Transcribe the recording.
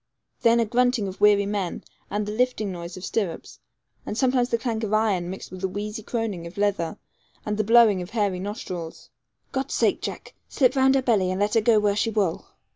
Then a grunting of weary men, and the lifting noise of stirrups, and sometimes the clank of iron mixed with the wheezy croning of leather and the blowing of hairy nostrils. 'God's sake, Jack, slip round her belly, and let her go where she wull.'